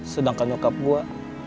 sedangkan bokap gue